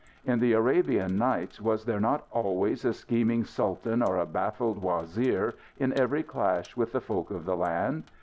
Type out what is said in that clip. In the Arabian Nights was there not always a scheming sultan or a baffled wazir, in every clash with the folk of the land?